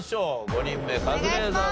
５人目カズレーザーさん